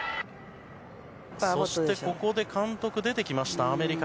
そしてここで監督出てきました、アメリカ。